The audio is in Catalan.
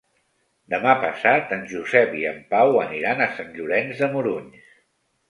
Demà passat en Josep i en Pau aniran a Sant Llorenç de Morunys.